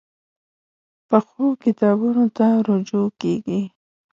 پخو کتابونو ته رجوع کېږي